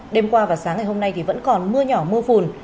đêm qua và sáng ngày hôm nay thì vẫn còn mưa nhỏ mưa phùn